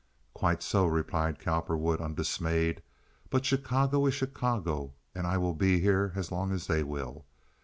"Quite so," replied Cowperwood, undismayed; "but Chicago is Chicago, and I will be here as long as they will.